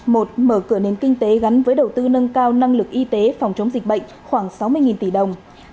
một mở cửa nền kinh tế gắn với đầu tư nâng cao năng lực y tế phòng chống dịch bệnh khoảng sáu mươi tỷ đồng